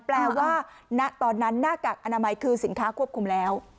แปลว่าณตอนนั้นหน้ากากอนามัยคือสินค้าควบคุมแล้ว